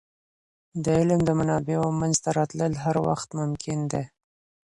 د علم د منابعو منځته راتلل هر وخت ممکن دی.